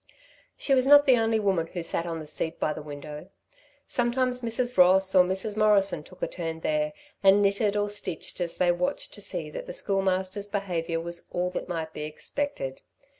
She was not the only woman who sat on the seat by the window. Sometimes Mrs. Ross or Mrs. Morrison took a turn there and knitted or stitched as they watched to see that the Schoolmaster's behaviour was all that might be expected.